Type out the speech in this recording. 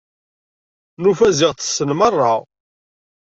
Nufa ziɣ ṭṭsen merra.